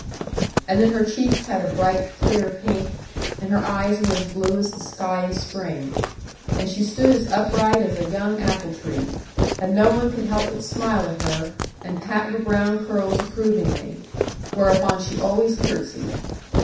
And then her cheeks had a bright clear pink, and her eyes were as blue as the sky in spring, and she stood as upright as a young apple tree, and no one could help but smile at her, and pat her brown curls approvingly; whereupon she always curtseyed.